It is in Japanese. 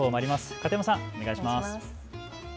片山さん、お願いします。